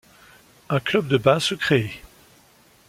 Un club de bain se crée.